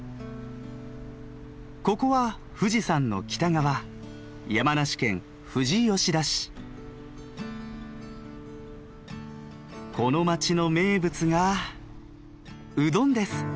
ここは富士山の北側この町の名物がうどんです。